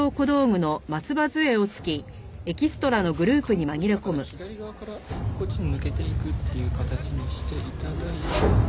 看護師の方左側からこっちに抜けていくっていう形にして頂いて。